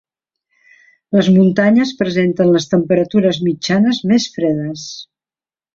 Les muntanyes presenten les temperatures mitjanes més fredes.